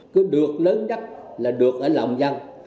cứ được lớn nhất là được ở lòng dân